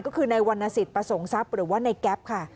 ก็คือในวรรณสิทธิประสงค์ทรัพย์หรือว่าในแก๊ปค่ะ